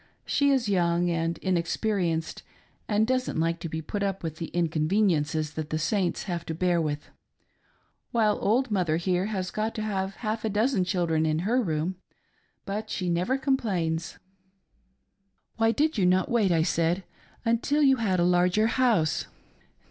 She is young and inexperienced, and doesn't like to put up with the inconveniences that the Saints have to bear with ; while old mother here has got to have half a dozen children in her room, but she never complains." " Why did you not wait," I said, " until you had a larger house